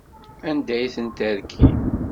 Anda ay ten-terkim?